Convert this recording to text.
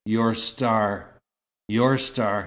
"Your star." "Your star.